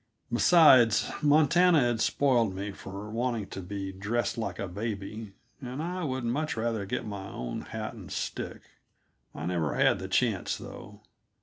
Besides, Montana had spoiled me for wanting to be dressed like a baby, and I would much rather get my own hat and stick; I never had the chance, though.